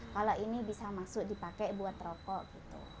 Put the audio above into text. kalau ini bisa masuk dipakai buat rokok gitu